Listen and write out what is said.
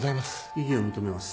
異議を認めます。